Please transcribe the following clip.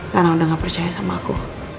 karena udah gak percaya sama aku